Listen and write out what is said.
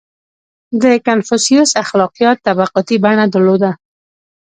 • د کنفوسیوس اخلاقیات طبقاتي بڼه درلوده.